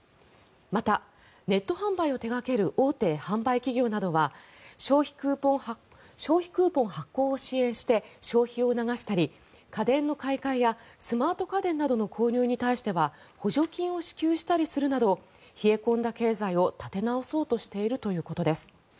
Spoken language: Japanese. また、ネット販売を手掛ける大手販売企業などは消費クーポン発行を支援して消費を促したり家電の買い替えやスマート家電などの購入に対しては補助金を支給したりするなど冷え込んだ経済を立て直そうとしているということです。